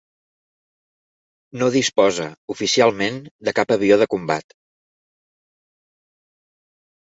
No disposa, oficialment, de cap avió de combat.